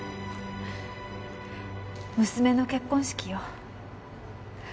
娘の結婚式よ。